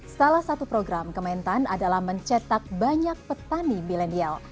salah satu program kementan adalah mencetak banyak petani milenial